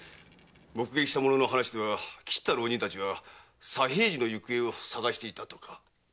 目撃した者の話では斬った浪人たちは左平次の行方を捜していたとか。